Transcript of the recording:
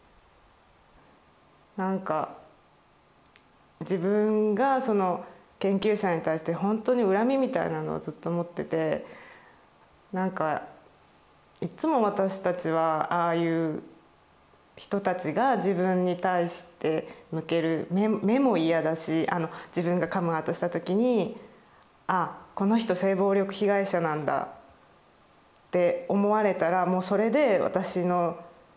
なんか自分がその研究者に対してほんとに恨みみたいなのをずっと持っててなんかいっつも私たちはああいう人たちが自分に対して向ける目も嫌だし自分がカムアウトしたときに「あっこの人性暴力被害者なんだ」って思われたらもうそれで私のなんか私自身ではないものを見られてる感じがして